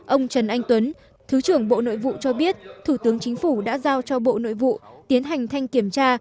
ông trần anh tuấn thứ trưởng bộ nội vụ cho biết thủ tướng chính phủ đã giao cho bộ nội vụ tiến hành thanh kiểm tra